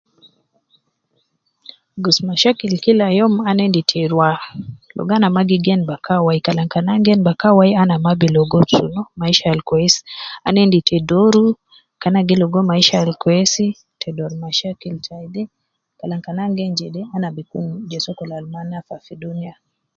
Gus mayisha kila yomu, ana endi ta ruwa gus logo ana mma gi gen bakan wayi, ana mma bilogo maisha al kuwes ana endi ta dooru kede ana gilogo maisha al kuwes. Kalam kan ana gen jede kalam bi kun , gowu, de ya sokol al ana aba fi duniya.